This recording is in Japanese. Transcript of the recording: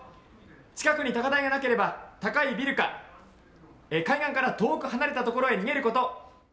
近くに高台がなければ高いビルか海岸から遠く離れたところへ逃げること。